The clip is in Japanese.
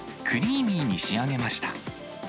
クリーミーに仕上げました。